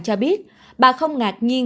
cho biết bà không ngạc nhiên